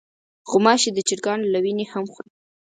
غوماشې د چرګانو له وینې هم خوري.